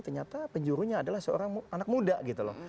ternyata penjurunya adalah seorang anak muda gitu loh